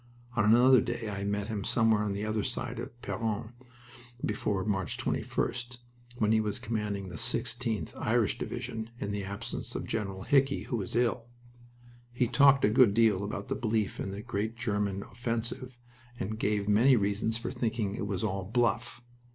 On another day I met him somewhere on the other side of Peronne, before March 21st, when he was commanding the 16th (Irish) Division in the absence of General Hickey, who was ill. He talked a good deal about the belief in a great German offensive, and gave many reasons for thinking it was all "bluff."